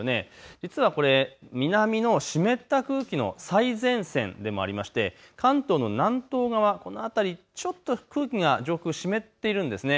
実はこれ、南の湿った空気の最前線でもありまして関東の南東側、ちょっと空気が上空、湿っているんです。